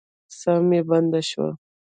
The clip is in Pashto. ساه مې بنده شوه.